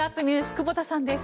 久保田さんです。